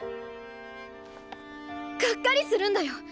がっかりするんだよ。